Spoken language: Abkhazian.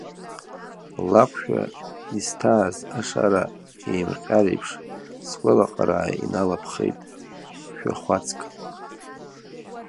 Лакәшәа исҭааз ашара еимҟьареиԥш, сгәалаҟара иналаԥхеит шәахәацк.